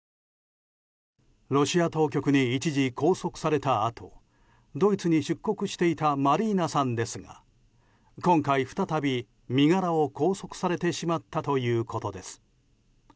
ロシア当局に一時拘束されたあとドイツに出国していたマリーナさんですが今回再び身柄を拘束されてしまったということです。